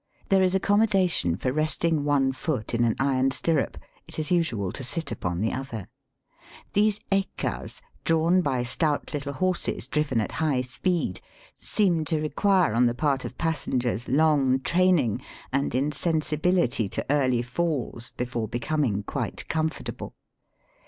There is accommodation for resting one foot in an iron stirrup. It is usual to sit upon the other. These " ekas," drawn by stout little horses driven at high speed, seem to require on the part of passengers long training and insensibility to early falls before Digitized by VjOOQIC BATHING IN THE GANGES. 221 becoming quite comfortable.